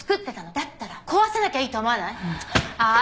だったら壊さなきゃいいと思わない！？